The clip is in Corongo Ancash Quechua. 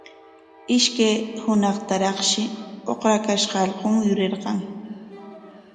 Ishkay hunaqtaraqshi uqrakashqan allqun yurirqan.